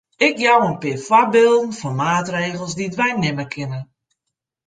Ik jou in pear foarbylden fan maatregels dy't wy nimme kinne.